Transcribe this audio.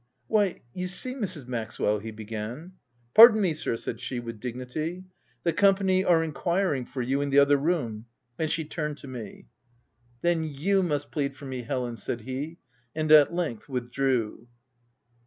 " Why, you see, Mrs. Maxwell," he began — "Pardon me, sir," said she, with dignity —" The company are enquiring for you in the other room." And she turned to me. OF WILDFELL HALL. 35 cc Then you must plead for me, Helen," said he, and at length withdrew.